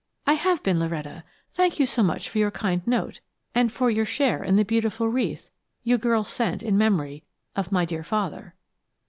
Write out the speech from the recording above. "I have been, Loretta. Thank you so much for your kind note, and for your share in the beautiful wreath you girls sent in memory of my dear father."